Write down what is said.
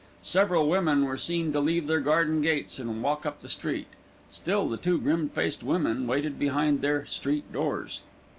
Several women were seen to leave their garden gates and walk up the street. Still the two grim faced women waited behind their "street doors."